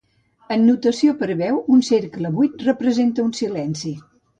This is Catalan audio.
En notació per a veu, un cercle buit representa un silenci.